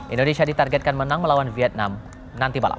indonesia ditargetkan menang melawan vietnam nanti malam